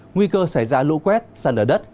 nguy cơ xảy ra lũ quét xa lở đất